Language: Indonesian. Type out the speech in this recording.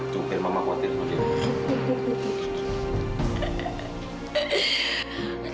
tunggu biar mama khawatir sama dewi